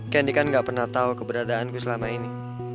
candy kan gak pernah tau keberadaanku selama ini